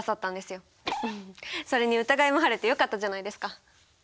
それに疑いも晴れてよかったじゃないですか。